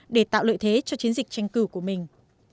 để tạo lợi thế cho chiến dịch tranh cử của mình